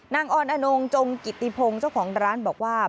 ออนอนงจงกิติพงศ์เจ้าของร้านบอกว่า